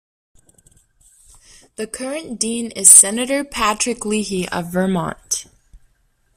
The current Dean is Senator Patrick Leahy of Vermont.